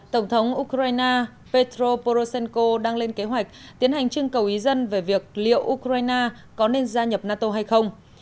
tổng thống ukraine petro poroshenko đang lên kế hoạch tiến hành trưng cầu ý dân về việc liệu ukraine có nên gia nhập nato hay không